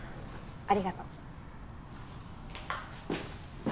ありがとう。